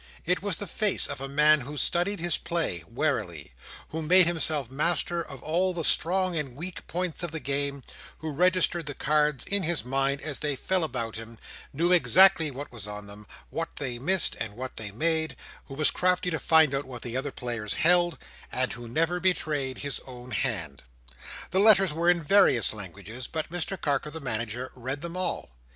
It was the face of a man who studied his play, warily: who made himself master of all the strong and weak points of the game: who registered the cards in his mind as they fell about him, knew exactly what was on them, what they missed, and what they made: who was crafty to find out what the other players held, and who never betrayed his own hand. The letters were in various languages, but Mr Carker the Manager read them all.